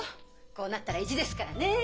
こうなったら意地ですからねえ。